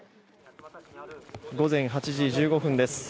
午前８時１５分です。